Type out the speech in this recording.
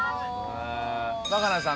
若菜さん